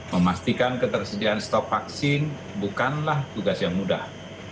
memastikan ketersediaan stok vaksin bukanlah tugas yang mudah